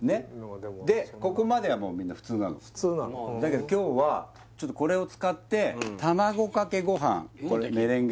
ここまではもうみんな普通なの普通なの？だけど今日はちょっとこれを使ってあっメレンゲ？